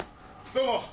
どうも！